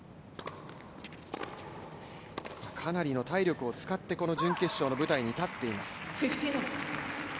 かなりの体力を使って、この準決勝の舞台に立っています。